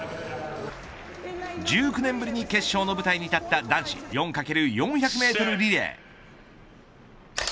１９年ぶりに決勝の舞台に立った男子４×４００メートルリレー。